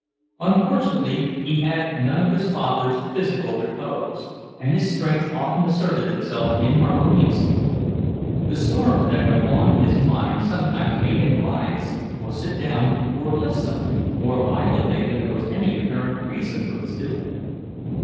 Unfortunately he had none of his father's physical repose, and his strength often asserted itself inharmoniously. The storms that went on in his mind sometimes made him rise, or sit down, or lift something, more violently than there was any apparent reason for his doing.